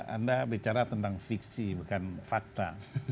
anda bicara tentang fiksi bukan fakta